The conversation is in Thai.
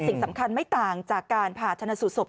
สิ่งสำคัญไม่ต่างจากการผ่าชนะสูตรศพ